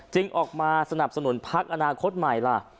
ออกมาสนับสนุนพักอนาคตใหม่ล่ะ